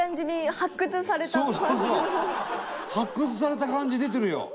発掘された感じ出てるよ。